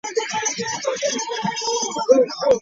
Mu bakyagugubye okwegemesa Covid mulimu n'ababaka ba Paalamenti